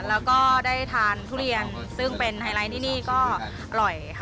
แล้วก็ได้ทานทุเรียนซึ่งเป็นไฮไลท์ที่นี่ก็อร่อยค่ะ